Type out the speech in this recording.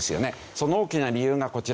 その大きな理由がこちら。